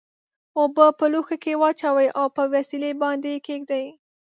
اوبه په لوښي کې واچوئ او پر وسیلې باندې یې کیږدئ.